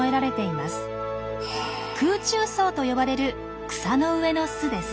「空中巣」と呼ばれる草の上の巣です。